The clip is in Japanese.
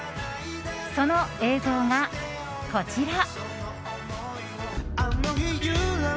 その映像が、こちら。